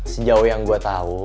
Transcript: sejauh yang gue tau